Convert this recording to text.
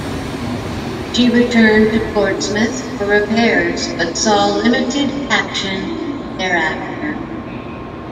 She returned to Portsmouth for repairs but saw limited action thereafter.